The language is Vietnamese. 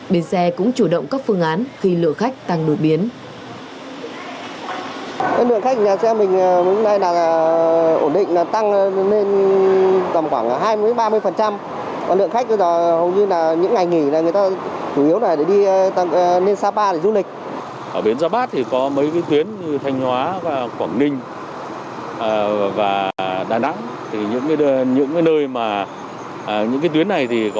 biến xe cũng chủ động các phương án khi lượng khách tăng đột biến